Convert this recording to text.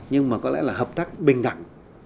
nhưng mà có lẽ là hợp tác bình đẳng